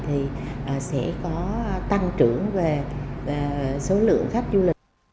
thì sẽ có tăng trưởng về số lượng khách du lịch